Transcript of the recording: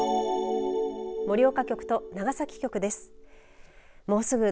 盛岡局と長崎局です。